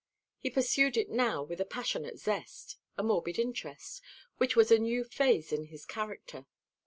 He pursued it now with a passionate zest, a morbid interest, which was a new phase in his character.